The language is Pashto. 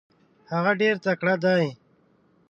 هغه ډېر تکړه دی.